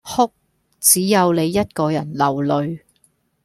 哭，只有你一個人流淚